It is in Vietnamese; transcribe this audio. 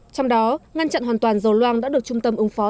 trong đó ngăn chặn hoàn toàn dầu loang đã được trung tâm ứng phó